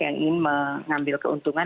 yang ingin mengambil keuntungan